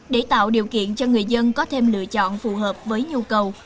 để tạo điều kiện cho người dân có thêm lựa chọn phù hợp với nhu cầu